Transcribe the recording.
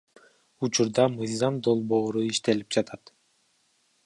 Учурда мыйзам долбоору иштелип жатат.